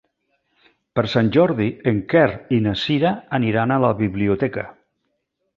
Per Sant Jordi en Quer i na Cira aniran a la biblioteca.